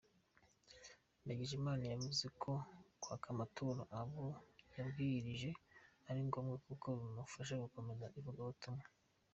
Ndagijimana yavuze ko kwaka amaturo abo yabwirije ari ngombwa kuko bimufasha gukomeza ivugabutumwa.